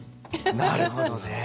なるほどねえ。